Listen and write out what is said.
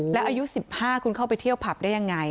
แล้วอายุ๑๕คุณเข้าไปเที่ยวผับได้ยังไง